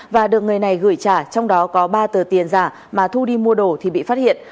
và được người này gửi trả trong đó có ba tờ tiền giả mà thu đi mua đồ thì bị phát hiện